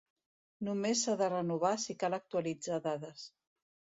Només s'ha de renovar si cal actualitzar dades.